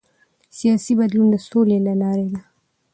سیاسي بدلون د سولې لاره ده